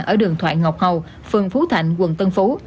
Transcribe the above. ở đường thoại ngọc hầu phường phú thạnh quận tân phú